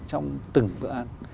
trong từng bữa ăn